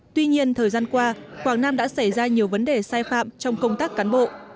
tuy nhiên thời gian qua quảng nam đã xảy ra nhiều vấn đề sai phạm trong công tác cán bộ